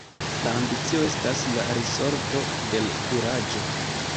La ambicio estas la risorto de l' kuraĝo.